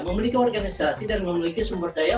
memiliki organisasi dan memiliki sumber daya